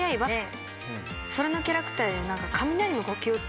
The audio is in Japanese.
それのキャラクターで。